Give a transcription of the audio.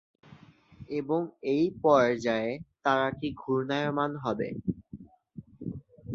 এবং এই পর্যায়ে তারাটি ঘূর্ণায়মান হবে।